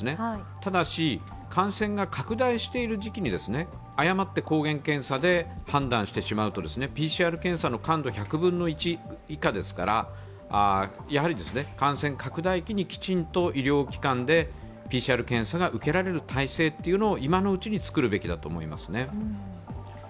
ただし、感染が拡大している時期に誤って抗原検査で判断してしまうとＰＣＲ検査の感度１００分の１以下ですから感染拡大期にきちんと医療機関できちんとＰＣＲ検査が受けられる体制っていうのを今のうちに作るべきだと思います。